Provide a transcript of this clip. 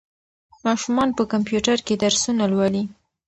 ماشومان په کمپیوټر کې درسونه لولي.